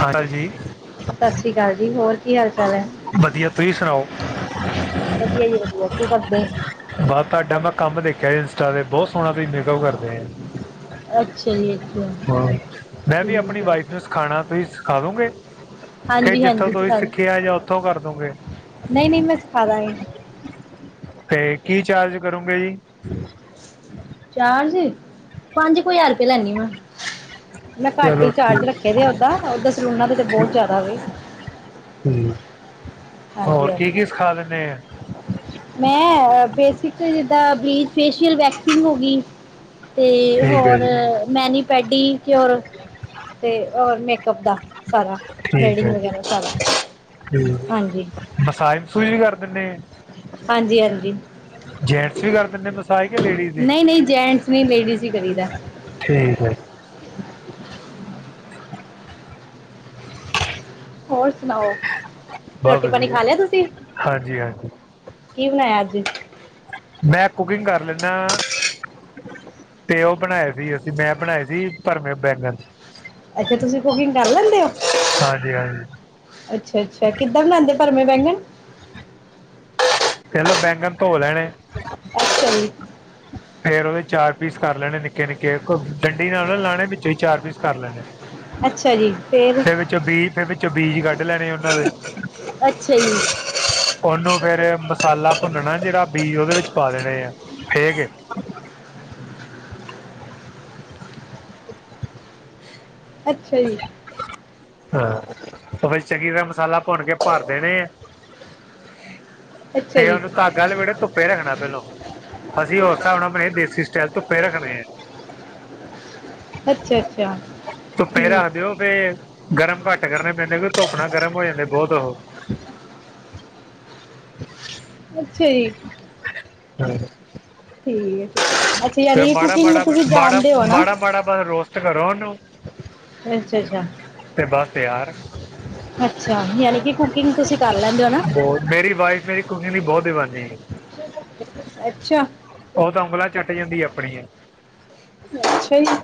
ਹਾਂਜੀ। ਸਤਿ ਸ਼੍ਰੀ ਅਕਾਲ ਜੀ, ਹੋਰ ਕੀ ਹਾਲ ਚਾਲ ਐ, ਵਧੀਆ ਤੁਸੀਂ ਸੁਣਾਓ ਵਧੀਆ ਜੀ ਵਧੀਆ, ਕੀ ਕਰਦੇ? ਬਸ ਤੁਹਾਡਾ ਮੈਂ ਕੰਮ ਦੇਖਿਆ ਇੰਸਟਾ ਤੇ, ਬੋਤ ਸੋਹਣਾ ਤੁਸੀ ਮੇਕਅਪ ਕਰਦੇ ਐਂ। ਅੱਛਾ ਜੀ ਅੱਛਾ ਹਾਂ, ਮੈਂ ਵੀ ਆਪਣੀ ਠੀਕ ਹੈ ਵਾਈਫ ਨੂੰ ਸਿਖਾਣਾ, ਤੁਸੀ ਸਿਖਾ ਦੋਗੇ? ਕਿ ਜਿੱਥੋਂ ਹਾਂਜੀ-ਹਾਂਜੀ ਤੁਸੀਂ ਸਿਖਾ, ਸਿੱਖਿਆ ਜਾਂ ਉੱਥੋਂ ਕਰ ਦੋਗੇ ਨਈ-ਨਈ, ਮੈਂ ਸਿਖਾ ਦਾਂਗੀ। ਤੇ ਕੀ ਚਾਰਜ ਕਰੋਂਗੇ ਜੀ? ਚਾਰਜ! ਪੰਜ ਕੁ ਹਜ਼ਾਰ ਪੇ ਲੈਦੀ ਮੈਂ। ਮੈਂ ਘੱਟ ਚਲੋ ਹੀ ਚਾਰਜ ਠੀਕ ਰੱਖੇ ਦੇ ਓਦਾਂ, ਓਦਾਂ ਸਲੂਨਾ ਦੇ ਤੇ ਬੋਤ ਜਾਦਾ ਵੇ। ਹੂੰ। ਹਾਂਜੀ-ਹਾਂਜੀ। ਦਿੰਦੇ ਆ ਮੈਂ, ਬੇਸਿਕ ਜਿੱਦਾਂ ਬਲੀਚ, ਫੇਸ਼ਿਅਲ, ਵੈਕਸਿੰਗ ਹੋ ਗੀ। ਤੇ ਠੀਕ ਹੈ ਹੋਰ ਜੀ ਮੈਨੀ-ਪੈਡੀ ਕਿਯੋਰ। ਤੇ ਔਰ ਮੇਕਅਪ ਦਾ ਸਾਰਾ, ਥਰੈਡਿੰਗ ਵਗੈਰਾ ਸਾਰਾ। ਠੀਕ ਏ, ਹਾਂਜੀ ਮਸਾਜ-ਮਸੂਜ ਵੀ ਕਰ ਦੇਨੇ ਐ? ਹਾਂਜੀ-ਹਾਂਜੀ, ਵੀ ਕਰ ਦਿੰਦੇ ਮਸਾਜ ਕਿ ਲੇਡੀਜ਼ ਦੀ ਨਈ-ਨਈ ਜੈਂਟਸ ਨੀ, ਲੇਡੀਜ ਹੀ ਕਰੀਦੈ। ਠੀਕ ਐ। ਹੋਰ ਸੁਨਾਓ, ਬਹੁਤ ਰੋਟੀ ਪਾਨੀ ਵਧੀਆ ਖਾ ਲੇਆ ਤੁਸੀਂ? ਹਾਂਜੀ ਹਾਂਜੀ ਕੀ ਬਨਾਇਆ ਅੱਜ? ਮੈਂ ਕੁਕਿੰਗ ਕਰ ਲੈਨਾਂ। ਤੇ ਓ ਬਣਾਏ ਸੀ ਅਸੀਂ, ਮੈਂ ਬਣਾਏ ਸੀ ਭਰਵੇੇ ਬੈਂਗਨ। ਅੱਛਾ, ਤੁਸੀਂ ਕੁਕਿੰਗ ਕਰ ਲੈਂਦੇ ਓ? ਹਾਂਜੀ-ਹਾਂਜੀ। ਅੱਛਾ-ਅੱਛਾ, ਕਿੱਦਾਂ ਬਣਾਂਦੇ ਭਰਵੇੇ ਬੈਂਗਣ? ਪੇਲੋ ਬੈਂਗਣ ਧੋ ਲੈਣੇ। ਅੱਛਾ ਜੀ। ਫੇਰ ਓਹਦੇ ਚਾਰ ਪੀਸ ਕਰ ਲੈਣੇ ਨਿੱਕੇ-ਨਿੱਕੇ, ਕੋ ਡੰਡੀ ਨਾਲੋਂ ਨਾ ਲਾਣੇ, ਵਿੱਚੋਂ ਈ ਚਾਰ ਪੀਸ ਕਰ ਲੈਣੇ। ਅੱਛਾ ਜੀ, ਫ਼ੇਰ? ਫੇਰ ਵਿੱਚੋਂ ਬੀ ਫੇਰ ਵਿਚੋ ਬੀਜ ਕੱਢ ਲੈਣੇ ਓਨਾਂ ਦੇ। ਅੱਛਾ ਜੀ। ਓਹਨੂੰ ਫੇਰ ਮਸਾਲਾ ਭੁੰਨਣਾ, ਜਿਹੜਾ ਬੀਜ ਉਹਦੇ ਵਿੱਚ ਪਾ ਦੇਣੇ ਆ ਫੇ ਕੇ। ਅੱਛਾ ਜੀ। ਹਾਂ, ਫੇਰ ਚੰਗੀ ਤਰ੍ਹਾਂ ਮਸਾਲਾ ਭੁਨ ਕੇ ਭਰ ਦੇਣੇ ਐ। ਅੱਛਾ ਫੇਰ ਜੀ ਓਨੂੰ ਧਾਗਾ ਲਪੇਟ ਕੇ ਧੁੱਪੇ ਰੱਖਣਾ ਪਹਿਲੋ। ਅਸੀਂ ਹੋਰ ਸਾਬ ਨਾਲ ਬਣਾਈਦੇ ਦੇਸੀ ਸਟਾਈਲ ਧੁੱਪੇ ਰੱਖਣੇ ਐ। ਅੱਛਾ ਅੱਛਾ ਧੁੱਪੇ ਰੱਖ ਠੀਕ ਦਿਓ, ਤੇ ਗਰਮ ਘੱਟ ਕਰਨੇ ਪੈਂਦੇ, ਫਿਰ ਧੁੱਪ ਨਾ ਗਰਮ ਹੋ ਜਾਂਦੇ ਬੋਤ ਓਹ। ਅੱਛਾ। ਅੱਛਾ ਜੀ। ਹੰ। ਠੀਕ ਐ। ਅੱਛਾ ਯਾਨੀ ਕੁਕਿੰਗ ਮਾੜਾ ਤੁਸੀਂ ਮਾੜਾ ਜਾਣਦੇ ਹੋ ਨਾ? ਮਾੜਾ ਮਾੜਾ ਬਸ ਰੋਸਟ ਕਰੋ ਓਨੂੰ। ਅੱਛਾ-ਅੱਛਾ। ਤੇ ਬਸ ਤੇਆਰ। ਅੱਛ, ਯਾਨੀ ਕਿ ਕੁਕਿੰਗ ਤੁਸੀਂ ਕਰ ਲੈਂਦੇ ਓ ਨਾ? ਹੋਰਮੇਰੀ ਵਾਈਫ ਮੇਰੀ ਕੁਕਿੰਗ ਦੀ ਬੋਤ ਦੀਵਾਨੀ ਏ। ਅੱਛਾ। ਓਹ ਤਾਂ ਉਂਗਲਾ ਚੱਟ ਜਾਂਦੀ ਆਪਣੀਆਂ ਈ। ਅੱਛਾ ਜੀ,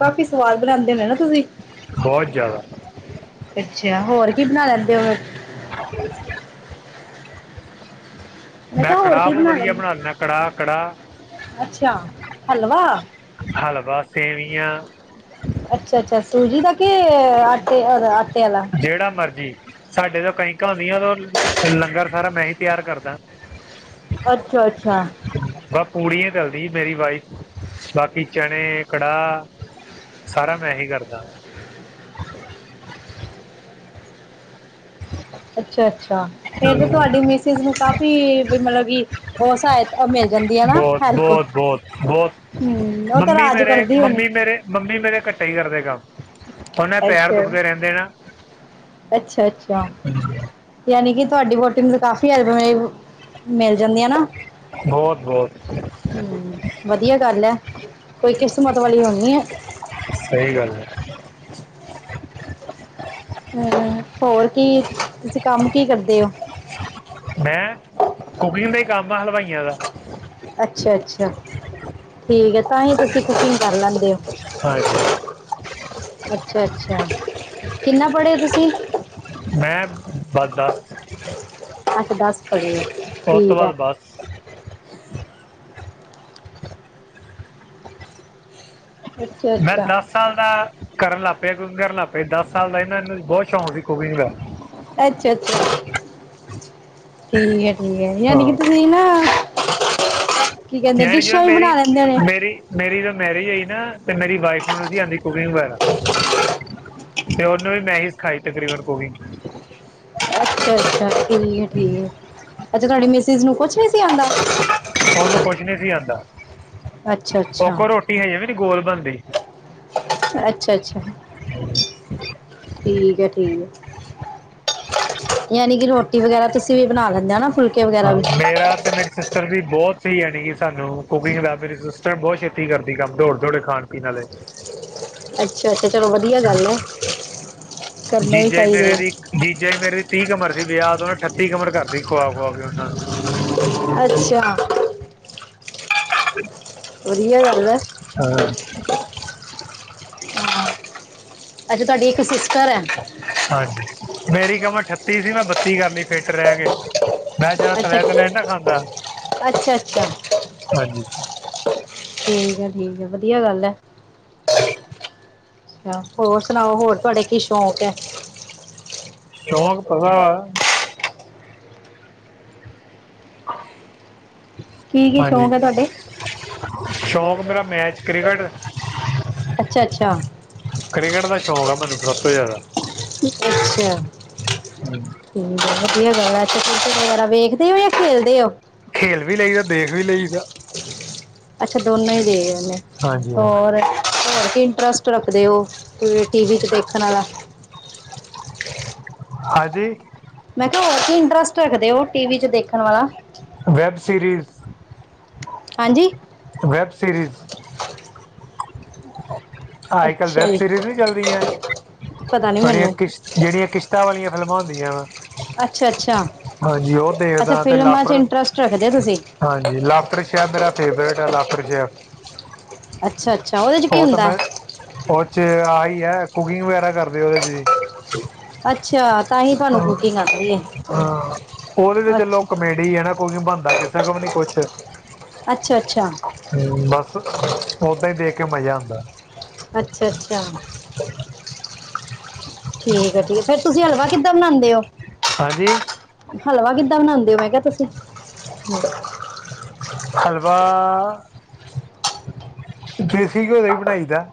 ਕਾਫੀ ਸਵਾਦ ਬਣਾਓਂਦੇ ਹੋ, ਨੇ, ਨਾ ਤੁਸੀਂ। ਬੋਤ ਜ਼ਾਦਾ। ਅੱਛਾ ਹੋਰ ਕੀ ਬਣਾ ਲੈਂਦੇ ਹੋ? ਹਾਂ ਮੈਂ ਕਿਹਾ ਹੋਰ ਕੜਾਹ ਕੀ ਬੋ ਵੱਧੀਆ ਲੈਂਦੀ? ਬਣਾ ਲੈਂਦਾ, ਕੜਾਹ- ਕੜਾਹ ਅੱਛਾ ਹਲਵਾ ਹਲਵਾ ਸੇਵੀਆਂ ਅੱਛਾ- ਅੱਛਾ ਸੂਜੀ ਦਾ ਕੇ--ਆਟੇ ਅਦਾ ਆਟੇ ਵਾਲਾ। ਜੇੜਾ ਮਰਜ਼ੀ। ਸਾਡੇ ਜਦੋ ਕੰਜਕਾ ਹੁੰਦੀਆ, ਓਦੋ ਲੰਗਰ ਸਾਰਾ ਮੈਂ ਹੀ ਤਿਆਰ ਕਰਦਾ। ਅੱਛਾ -ਅੱਛਾ। ਬਸ ਪੂਰੀਆ ਈ ਤਲੱਦੀ ਮੇਰੀ ਵਾਈਫ, ਬਾਕੀ ਚਨੇ, ਕੜਾਹ ਸਾਰਾ ਮੈਂ ਹੀ ਕਰਦਾ। ਹਾਂ ਅੱਛਾ- ਅੱਛਾ ਫੇਰ ਤਾਂ ਤੁਹਾਡੀ ਮਿਸਿਸ ਨੂੰ ਕਾਫ਼ੀ ਮਤਲਬ ਕਿ ਓਹ ਸਹਾ ਓ ਮਿਲ ਜਾਂਦੀ ਆ ਨਾ ਹੈਲਪ, ਬਹੁਤ ਬਹੁਤ ਬਹੁਤ ਹਮ ਉਹ ਤਾਂ ਮੰਮੀ ਰਾਜ ਮੇਰੇ ਕਰਦੀ ਹੋਣੀ। ਮੰਮੀ ਮੇਰੇ ਮੰਮੀ ਮੇਰੇ ਘਟੇ ਈ ਕਰਦੇ ਕੰਮ। ਉਹਨੇ ਪੈਰ ਕੈਸੇ ਹੋ? ਦੁਖਦੇ ਰਹਿੰਦੇ ਨਾ ਅੱਛਾ ਅੱਛਾ ਯਾਨੀ ਕਿ ਤੁਹਾਡੀ ਵੋਟੀ ਨੂੰ ਤੇ ਕਾਫੀ ਹਲਪਾਂ ਮਿਲ ਜਾਂਦੀਆਂ ਨਾ। ਬਹੁਤ ਬਹੁਤ ਹੂੰ, ਵਧੀਆ ਗੱਲ ਹੈ ਕੋਈ ਕਿਸਸ਼ਮਤ ਵਾਲੀ ਹੋਣੀ ਐ। ਸਹੀ ਗੱਲ ਐ। ਹੂੰ, ਹੋਰ ਕੀ ਤੁਸੀਂ ਕੰਮ ਕੀ ਕਰਦੇ ਓ? ਮੈਂ ਕੁਕਿੰਗ ਦਾ ਈ ਕੰਮ ਆ ਹਲਵਾਈਆਂ ਦਾ। ਅੱਛਾ-ਅੱਛਾ ਠੀਕ ਐ, ਤਾਂ ਹੀ ਤੁਸੀਂ ਕੁਕਿੰਗ ਕਰ ਲੈਂਦੇ ਹੋ। ਹਾਂਜੀ। ਅੱਛਾ-ਅੱਛਾ ਕਿੰਨਾ ਪੜ੍ਹੇ ਹੋ ਤੁਸੀਂ? ਮੈਂ ਬਸ ਦਸ। ਮੈਂ ਤਾਂ ਦੱਸ ਪੜੀ ਆ। ਉਸ ਤੋਂ ਠੀਕ ਹੈ ਬਾਦ ਬਸ। [inaudible] ਅੱਛਾ ਮੈਂ ਅੱਛਾ ਦਸ ਸਾਲ ਦਾ ਕਰਨ ਲੱਗ ਪਿਆ ਕੁਕਿੰਗ ਕਰਨ ਲੱਗ ਪਏ ਦਸ ਸਾਲ ਦਾ ਸੀ ਮੈਨੂੰ ਬਹੁਤ ਸ਼ੌਂਕ ਸੀ ਕੁਕਿੰਗ ਦਾ। ਅੱਛਾ-ਅੱਛਾ ਠੀਕ ਹੈ, ਠੀਕ ਹੈ, ਯਾਨੀ ਕਿ ਹਾਂ ਤੁਸੀਂ ਨਾ ਕੀ ਕਹਿੰਦੇ ਯਾਨ ਜਿਵੇਂ, ਡਿਸ਼ਾਂ ਵੀ ਬਣਾ ਮੇਰੀ ਲੈਂਦੇ ਹੋਣੇ। ਮੇਰੀ ਮੇਰੀ ਜਦੋਂ ਮੈਰਿਜ ਹੋਈ ਨਾ ਤੇ ਮੇਰੀ ਵਾਈਫ ਨੂੰ ਨਹੀਂ ਸੀ ਆਉਂਦੀ ਕੁਕਿੰਗ ਵਗੈਰਾ। ਤੇ ਉਹਨੂੰ ਵੀ ਮੈਂ ਹੀ ਸਿਖਾਈ ਤਕਰੀਬਨ ਕੁਕਿੰਗ। ਅੱਛਾ-ਅੱਛਾ ਠੀਕ ਆ, ਠੀਕ ਆ। ਅੱਛਾ ਤੁਡੀ ਮਿਸਿਜ਼ ਨੂੰ ਕੁਛ ਨੀ ਸੀ ਆਉਂਦਾ। ਉਹਨੂੰ ਕੁਛ ਨੀ ਸੀ ਆਉਂਦਾ। ਅੱਛਾ ਉਹ ਅੱਛਾ ਕੋੋ ਰੋਟੀ ਹਜੇ ਵੀ ਨੀ ਗੋਲ ਬਣਦੀ। ਅੱਛਾ-ਅੱਛਾ। ਠੀਕ ਐ, ਠੀਕ ਐ। ਯਾਨੀ ਕਿ ਰੋਟੀ ਵਗੈਰਾ ਤੁਸੀਂ ਵੀ ਬਣਾ ਲੈਂਦੇ ਹੈਨਾ। ਹਾਂ ਮੇਰਾ ਤੇ ਮੇਰੀ ਸਿਸਟਰ ਵੀ ਬਹੁਤ ਸੀ ਯਾਨਿ ਕਿ ਸਾਨੂੰ ਕੁਕਿੰਗ ਦਾ, ਮੇਰੀ ਸਿਸਟਰ ਬਹੁਤ ਛੇਤੀ ਕਰਦੀ ਕੰਮ ਦੌੜ ਦੌੜ ਖਾਣ ਪੀਣਾ ਲਾ ਜ਼ੇ ਅੱਛਾ-ਅੱਛਾ ਚਲੋ ਵਧੀਆ ਗੱਲ ਏ, ਕਰਨੇ ਵੀ ਜੀਜਾ ਹੀ ਚਾਹੀਦੇ ਮੇਰੇ ਆ। ਦੀ ਜੀਜਾ ਹੀ ਮੇਰੇ ਦੀ ਤੀਹ ਕਮਰ ਸੀ ਵਿਆਹ ਤੇ, ਉਹਨੇ ਅਠੱਤੀ ਕਮਰ ਕਰਤੀ, ਖੁਆ ਖੁਆ ਕੇ ਉਹਨਾਂ ਨੂੰ। ਅੱਛਾ। ਵਧੀਆ ਗੱਲ ਐ ਹਾਂ। ਅੱਜੇ ਤਾਡੀ ਇੱਕ ਸਿਸਟਰ ਐ। ਹਾਂਜੀ, ਮੇਰੀ ਕਮਰ ਅਠੱਤੀ ਸੀ ਮੈਂ ਬੱਤੀ ਕਰ ਲੀ ਫਿੱਟ ਰਹਿ ਕੇ। ਮੈਂ ਜੈਦਾ ਅੱਛਾ ਤਲਿਆ ਤਲਿਆ ਨੀ ਖਾਂਦਾ, ਅੱਛਾ ਅੱਛਾ ਹਾਂਜੀ। ਠੀਕ ਹੈ, ਠੀਕ ਹੈ, ਵਧੀਆ ਗੱਲ ਐ। ਆ, ਹੋਰ ਸੁਣਾਓ ਹੋਰ ਤੁਹਾਡੇ ਕੀ ਸ਼ੌਕ ਹੈ? ਸ਼ੌਕ ਪਤਾ ਕੀ ਕੀ ਹਾਂਜੀ ਸ਼ੌਂਕ ਹੈ ਤੁਹਾਡੇ? ਸ਼ੌਂਕ ਮੇਰਾ ਮੈਚ ਕ੍ਰਿਕਟ ਅੱਛਾ, ਅੱਛਾ। ਕ੍ਰਿਕਟ ਦਾ ਸ਼ੌਂਕ ਆ ਮੈਨੂੰ ਸਭ ਤੋਂ ਜ਼ਿਆਦਾ। ਅੱਛਾ। ਹਮ। ਠੀਕ ਆ ਵਧੀਆ ਗੱਲ ਆ। ਕ੍ਰਿਕਟ ਵਗੈਰਾ ਵੇਖਦੇ ਹੋ ਜਾਂ ਖੇਲਦੇ ਹੋ। ਖੇਲ ਵੀ ਲਈਦਾ, ਦੇਖ ਵੀ ਲਈਦਾ। ਅੱਛਾ ਦੋਨੋਂ ਹੀ ਗਏ ਹੋਏ ਨੇ, ਹਾਂਜੀ ਹਾਂਜੀ ਹੋਰ? ਹੋਰ ਕੀ ਇੰਟਰਸਟ ਰੱਖਦੇ ਉਹ ਟੀ ਵੀ ਚ ਦੇਖਣ ਵਾਲਾ। ਹਾਂਜੀ। ਮੈਂ ਕਿਹਾ ਹੋਰ ਕੀ ਇੰਟਰਸਟ ਰੱਖਦੇ ਹੋ ਟੀ ਵੀ 'ਚ ਦੇਖਣ ਵਾਲਾ। Web series. ਹਾਂਜੀ, ਵੈਬ ਸੀਰੀਜ਼। [inaudible] ਹਾ, ਅੱਜ ਕੱਲ ਅੱਛਾ ਵੈਬ ਜੀ ਸੀਰੀਜ ਵੀ ਚੱਲਦੀਆਂ ਪਤਾ ਨਹੀਂ ਬੜੀਆਂ ਮੈਨੂੰ ਕਿਸ਼ਤ ਜਿਹੜੀਆਂ ਕਿਸ਼ਤ। ਇਟਾਂ ਵਾਲੀਆਂ ਫਿਲਮਾਂ ਹੁੰਦੀਆਂ। ਅੱਛਾ, ਅੱਛਾ। ਹਾਂਜੀ, ਉਹ ਅੱਛਾ ਦੇਖਦਾ ਤੇ ਫਿਲਮਾਂ 'ਚ ਲਾਫਟਰ ਇੰਟਰਸਟ ਰੱਖਦੇ ਹੋ ਤੁਸੀਂ ਹਾਂਜੀ, ਲਾਫਟਰ ਸ਼ੈਫ ਮੇਰਾ ਫੇਵਰੇਟ ਹੈ ਲਾਫਟਰ ਸੈ਼ਫ। ਅੱਛਾ, ਅੱਛਾ, ਉਹਦੇ ਚ ਕੀ ਤਾਂ ਹੁੰਦਾ ਮੈਂ ਹੈ। ਉਹ ਚ ਆਈ ਹੈ, ਕੁਕਿੰਗ ਵਗੈਰਾ ਕਰਦੇ ਉਹਦੇ ਚ ਵੀੱ। ਅੱਛਾ। ਤਾਂ ਹੀ ਤੁਹਾਨੂੰ ਕੁਕਿੰਗ ਆਉਂਦੀ ਹੈ ਹਾਂ ਉਹਦੇ ਤੇ ਚਲੋ ਅੱਛਾ ਕਾਮੇਡੀ ਹੈ ਨਾ। ਉਹ ਕੇ ਬਣਦਾ ਕਿਸੇ ਕੋਲ ਨੀ ਕੁਛ। ਅੱਛਾ, ਅੱਛਾ। ਹੂਉੰ ਬਸ, ਔਦਾਂ ਹੀ ਦੇਖ ਕੇ ਮਜ਼ਾ ਆਂਦਾ। ਅੱਛਾ, ਅੱਛਾ। ਠੀਕ ਹੈ ਠੀਕ ਹੈ, ਤੁਸੀਂ ਹਲਵਾ ਕਿੱਦਾਂ ਬਣਾਉਦੇ ਹੋ। ਹਾਂਜੀ। ਹਲਵਾ ਕਿੱਦਾਂ ਬਣਾਉਂਦੇ ਹੋ, ਮੈਂ ਕਿਹਾ ਤੁਸੀਂ। ਹੱਲਵਾ। ਦੇਸੀ ਘਿਉ ਦਾ ਈ ਬਣਾਈਦਾ।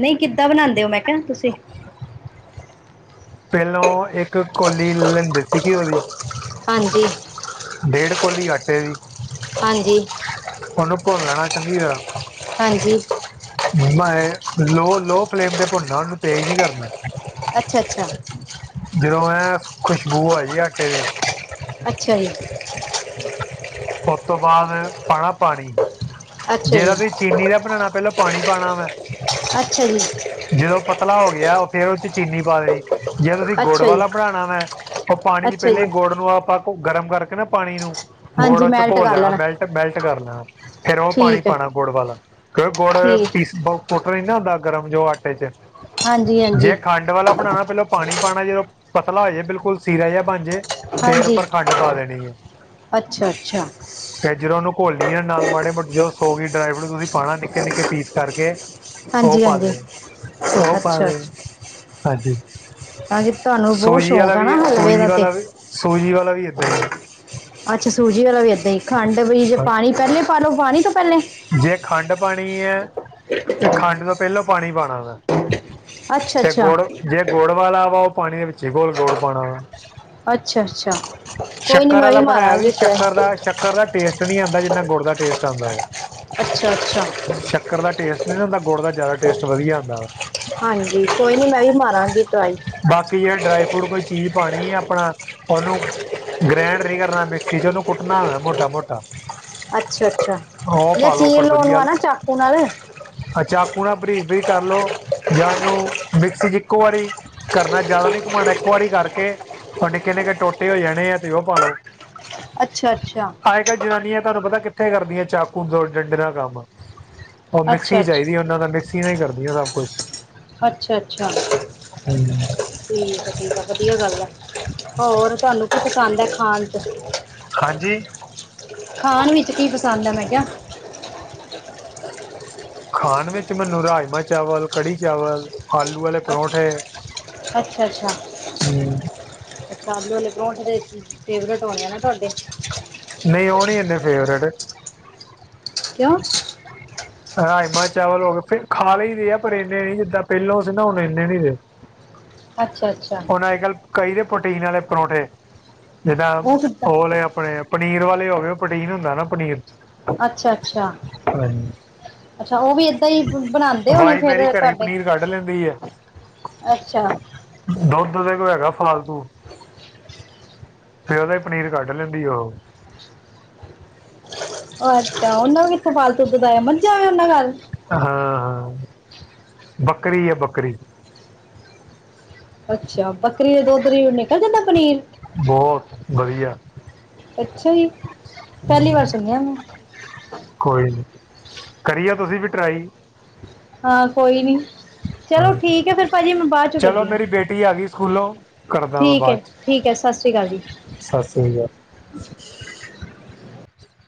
ਨਹੀਂ ਕਿੱਦਾਂ ਬਣਾਉਂਦੇ ਹੋ ਮੈਂ ਕਿਹਾ ਤੁਸੀਂ। ਪਹਿਲੋ ਇਕ ਕੋਲੀ ਲੈ ਲਵੇ ਦੇਸੀ ਘਿਉ ਦੀ। ਹਾਂਜੀ। ਡੇਢ ਕੋਲੀ ਆਟੇ ਦੀ। ਹਾਂਜੀ, ਉਹਨੂੰ ਭੁੱਨ ਲੈਣਾ ਚੰਗੀ ਤਰ੍ਹਾਂ। ਹਾਂਜੀ। ਭੂੰਨਣਾ ਏ, ਲੋਹ ਫਲੇਮ ਤੇ ਭੁੰਨਣਾ ਉਹਨੂੰ ਤੇਜ਼ ਨਹੀਂ ਕਰਨਾ। ਅੱਛਾ, ਅੱਛਾ। ਜਦੋਂ ਐ ਖੁਸ਼ਬੂ ਆ ਜਾਏ ਆਟੇ ਦੀ। ਅੱਛਾ ਜੀ। ਉਸ ਤੋਂ ਬਾਅਦ ਪਾਣਾ ਪਾਣੀ, ਅੱਛਾ ਜੀ ਜਿਹੜਾ ਵੀ ਚੀਨੀ ਦਾ ਬਣਾਉਣਾ ਪਹਿਲਾਂ ਪਾਣੀ ਪਾਉਣਾ ਵੈਂ- ਅੱਛਾ ਜੀ- ਜੇ ਔ ਪਤਲਾ ਹੋ ਗਿਆ ਉਹ ਫੇਰ ਉਹ ਚ ਚੀਨੀ ਪਾ ਦੇਣੀ- ਜੇ ਤੁਸੀ ਗੁੜ ਅੱਛਾ ਜੀ ਵਾਲਾ ਬਣਾਉਣਾ ਵੈਂ, ਉਹ ਪਾਣੀ ਅੱਛਾ ਪਹਿਲਾਂ ਜੀ ਹੀ ਗੁੜ ਨੂੰ ਆਪਾ ਗਰਮ ਕਰਕੇ ਨਾ ਪਾਣੀ ਨੂੰ ਹਾਂਜੀ ਗੁੜ 'ਚ ਮੈਲਟ ਘੋਲ ਕਰ ਲੈਣਾ ਮੈਲਟ ਮੈਲਟ ਕਰ ਲੈਣਾ ਫੇਰ ਉਹ ਪਾਣੀ ਠੀਕ ਹੈ ਪਾਉਣਾ ਗੁੜ ਵਾਲਾ ਕਿਉ ਗੁੜ ਠੀਕ ਪੀਸਲੋ ਕੁੱਟਣ ਨਾ ਹੁੰਦਾ ਗਰਮ ਜੋ ਆਟੇ 'ਚ, ਹਾਂਜੀ ਹਾਂਜੀ ਜੇ ਖਾਣੀ ਆਟੇ ਵਾਲਾ ਬਣਾਉਣਾ ਪਹਿਲਾਂ ਪਾਣੀ ਪਾਉਣਾ, ਜਦੋ ਪਤਲਾ ਹੋ ਜਾਏ ਬਿਲਕੁਲ ਸੀਰਾ ਜਿਹਾ ਬਣ ਜਾਏ ਫੇਰ ਹਾਂਜੀ ਊਪਰ ਖਾਂਡ ਪਾ ਦੇਣੀ ਏ। ਅੱਛਾ ਅੱਛਾ ਫੇਰ ਜਦੋ ਉਹਨੂੰ ਘੋਲੀ ਯਾਓ ਨਾਲ ਮਾੜੇ ਮੋਟੇ ਜੋ ਸੋਗੀ ਡਰਾਏ ਫਰੂਟ ਤੁਸੀ ਪਾਣਾ ਨਿੱਕੇ-ਨਿੱਕੇ ਪੀਸ ਕਰਕੇ ਹਾਂਜੀ-ਹਾਂਜੀ। ਘਿਓ ਪਾਵੇ, ਹਾਂਜੀ। ਹਾਂਜੀ ਤੁਹਾਨੂੰ ਬਹੁਤ ਸੋਈ ਆਲਾ ਸ਼ੌਂਕ ਆ ਵੀ ਨਾ ਏ, ਹਲਵੇ ਸੋਈ ਦਾ ਤੇ ਵਾਲਾ ਵੀ, ਸੋਈ ਵਾਲਾ ਵੀ ਏਦਾਂ ਹੀ। ਅੱਛਾ ਸੂਜੀ ਵਾਲਾ ਵੀ ਏਦਾਂ ਹੀ, ਖਾਂਡ ਵੀ ਜੇ ਹਾਂ। ਪਾਣੀ ਪੇਹਲੇ ਪਾਲੋ, ਪਾਣੀ ਤੋ ਪੇਹਲੇ? ਜੇ ਖਾਂਡ ਪਾਣੀ ਏ, ਤੇ ਖਾਂਡ ਤੋ ਪੇਹਲੋ ਪਾਣੀ ਪਾਣਾ ਵੇ। ਅੱਛਾ ਤੇ ਅੱਛਾ ਗੋੜ ਜੇ ਗੋੜ ਵਾਲਾ ਵ ਉਹ ਪਾਣੀ ਵਿੱਚੇ ਗੋਲ ਗੋੜ ਪਾਣਾ ਵਾ। ਅੱਛਾ ਅੱਛਾ ਕੋਈ ਨਹੀਂ ਸ਼ੱਕਰ ਮੈਂ ਆਲਾ ਬਣਾਏਆ ਵੀ, ਮਾਰਾਂਗੀ ਸ਼ੱਕਰ ਟਰਾਈ ਦਾ ਸ਼ ਕਰ ਦਾ ਟੇਸਟ ਨੀ ਆਂਦਾ ਜਿਨਾ ਗੁੜ ਦਾ ਟੇਸਟ ਆਂਦਾ ਹੈਗਾ। ਅੱਛਾ-ਅੱਛਾ। ਸ਼ੱਕਰ ਦਾ ਟੇਸਟ ਨਹੀ ਹੁੰਦਾ, ਗੁੜ ਦਾ ਜਆਦਾ ਟੇਸਟ ਵਧੀਆ ਹੁੰਦਾ ਵਾ। ਹਾਂਜੀ ਕੋਈ ਨੀ ਮੈਂ ਵੀ ਮਾਰਾਂਗੀ ਟਰਾਈ। ਬਾਕੀ ਜੇ ਡਰਾਏ ਫਰੂਟ ਕੋਈ ਚੀਜ ਪਾਣੀ ਏ ਆਪਣਾ ਉਹਨੂੰ ਗ੍ਰੈਂਡ ਨੀ ਕਰਨਾ ਮਿਕਸੀ ਚ ਉਹਨੂੰ ਕੁੱਟਣਾ ਆ ਮੋਟਾ-ਮੋਟਾ। ਅੱਛਾ-ਅੱਛਾ ਯਾ ਲਓ ਚੀਰ ਉੱਪਰ ਲਾਉਣ ਵਧੀਆ ਆ ਨਾ ਚਾਕੂ ਨਾਲ। ਆ ਚਾਕੂ ਨਾਲ ਬਰੀਕ-ਬਰੀਕ ਕਰ ਲੋ ਜਾਂ ਉਹਨੂੰ ਮਿਕਸੀ ਚ ਇਕੋ ਵਾਰੀ ਕਰਨਾ ਜਾਏਦਾ ਨੀ ਕਮਾਉਣਾ ਇਕੋ ਵਾਰੀ ਕਰਕੇ ਉਹ ਨਿੱਕੇ-ਨਿੱਕੇ ਟੋਟੇ ਹੋ ਜਾਣੇ ਏ ਤੇ ਉਹ ਪਾਲੋ। ਅੱਛਾ-ਅੱਛਾ। ਆਜ ਕੱਲ੍ਹ ਜਨਾਨੀਆਂ ਤੁਹਾਨੂੰ ਪਤਾ ਏ ਕਿੱਥੇ ਕਰਦੀਆਂ ਚਾਕੂ ਦੁੜ ਡੰਡੇ ਦਾ ਕੰਮ? ਉਹ ਅੱਛਾ ਮਿਕਸੀ ਚਾਹੀਦੀ ਉਹਨਾ ਦਾ ਮਿਕਸੀ ਨਾਲ ਈ ਕਰਦੀਆਂ ਸਭ ਕੁਛ। ਅੱਛਾ-ਅੱਛਾ ਹਮ, ਠੀਕ ਆ ਠੀਕ ਆ ਵਧੀਆ ਗੱਲ ਐ। ਹੋਰ ਤੁਹਾਨੂੰ ਕੀ ਪਸੰਦ ਏ ਖਾਣ ਚ? ਹਾਂਜੀ ਖਾਣ ਵਿੱਚ ਕੀ ਪਸੰਦ ਆ ਮੈ ਕੇਹਾ? ਖਾਣ ਵਿੱਚ ਮੈਨੂੰ ਰਾਜਮਾਂ ਚਾਵਲ, ਕੜੀ ਚਾਵਲ, ਆਲੂ ਵਾਲੇ ਪਰੋਠੇ। ਅੱਛਾ-ਅੱਛਾ। ਅੱਛਾ ਆਲੂ ਵਾਲੇ ਪਰੋਠੇ ਦੇ [unintelligible] ਫੇਵਰੇਟ ਹੋਣੇ ਆ ਨਾ ਤੁਹਾਡੇ? ਨਈ ਉਹ ਨਈ ਇੰਨੇ ਫੇਵਰਟ। ਕਓ? ਰਾਜਮਾ ਚਾਵਲ ਹੋ ਗਏ, ਫੇਰ ਖਾ ਲਈ ਹੀ ਦੇ ਏ ਪਰ ਏਨੇ ਨੀ ਜਿਦਾ ਪੇਹਲੋ ਸੀ ਨਾ ਹੁਣ ਏਨੇ ਨੀ ਰਏ। ਅੱਛਾ ਅੱਛਾ ਹੁਣ ਅੱਜ ਕੱਲ੍ਹ ਕਈ ਦੇ ਪੋਟੀਨ ਆਲੇ ਪਰੋਠੇ ਜਿੱਦਾਂ ਉਹ ਕਿੱਦਾਂ ਉਅਲੇ ਅਪਣੇ ਪਨੀਰ ਵਾਲੇ ਹੋ ਗਏ ਪੋਟੀਨ ਹੁੰਦਾ ਨਾ ਪਨੀਰ। ਅੱਛਾ-ਅੱਛਾ, ਹਾਂਜੀ ਅੱਛਾ ਉਹ ਵੀ ਏਦਾਂ ਈ ਬਣਾਂਦੇ ਹੋਣੇ ਫੇਰ ਤਾਡੇ? ਤਲ ਲੈਂਦੀ ਏ। ਅੱਛਾ। ਦੌਧ ਤੇਰੇ ਕੋ ਹੈਗਾ ਫਾਲਤੂ? ਸਵੇਰੇ ਹੀ ਪਨੀਰ ਕੱਢ ਲੈਂਦੀ ਉਹ। ਉਹ ਅੱਛਾ ਉਹਨੂੰ ਕਿਥੋ ਫਾਲਤੂ ਦੁਧ ਆਯਾ ਮੱਝਾ ਉਹਨਾਂ ਦੇ ਘਰ? ਹਾਂ-ਹਾਂ ਬੱਕਰੀ ਏ ਬੱਕਰੀ। ਅੱਛਾ, ਬੱਕਰੀ ਦੇ ਦੁੱਧ ਦੀ ਉਹ ਨਿਕਲ ਜਾਂਦਾ ਪਨੀਰ? ਬੋਹਤ ਵਧੀਆ। ਅੱਛਾ ਜੀ, ਪੇਹਲੀ ਵਾਰ ਸੁਣੇਆ ਮੈਂ। ਕੋਈ ਨੀ, ਕਰੀ ਏ ਤੁਸੀਂ ਵੀ ਟਰਾਈ? ਹਾਂ ਕੋਈ ਨੀ। ਹਾਂ ਚਲੋ ਠੀਕ ਹੈ, ਫੇਰ ਭਾਜੀ ਮੈਂ ਬਾਅਦ ਚ ਚਲੋ ਕਰਦੀ ਆ, ਮੇਰੀ ਬੇਟੀ ਆ ਗਈ ਸਕੂਲੋਂ ਕਰਦਾ ਠੀਕ ਏ। ਠੀਕ ਏ, ਸਸ ਸ਼੍ਰੀ ਕਾਲ ਜੀ। ਸਸ ਸ੍ਰੀ ਕਾਲ। [inaudible]